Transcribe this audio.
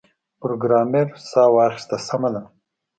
پروګرامر ساه واخیسته سمه ده